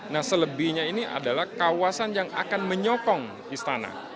nah selebihnya ini adalah kawasan yang akan menyokong istana